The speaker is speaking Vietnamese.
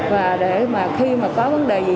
và khi có vấn đề gì